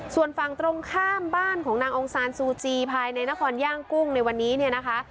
ส่วนฝั่งตรงข้ามบ้านของนางองซานซูจีภายในนครย่างกุ้งในวันนี้เนี่ยนะคะ